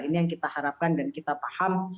ini yang kita harapkan dan kita paham